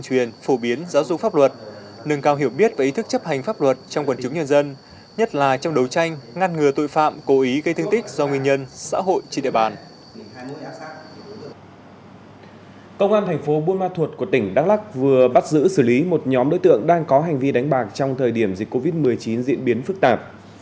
công an thành phố buôn ma thuột của tỉnh đắk lắc vừa bắt giữ xử lý một nhóm đối tượng đang có hành vi đánh bạc trong thời điểm dịch covid một mươi chín diễn biến phức tạp